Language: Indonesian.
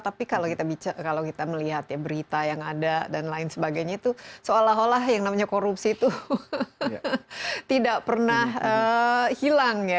tapi kalau kita melihat berita yang ada dan lain sebagainya itu seolah olah yang namanya korupsi itu tidak pernah hilang ya